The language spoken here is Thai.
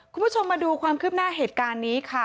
คุณผู้ชมมาดูความคืบหน้าเหตุการณ์นี้ค่ะ